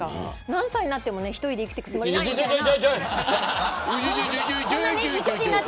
何歳になっても１人で生きていくつもりないみたいな。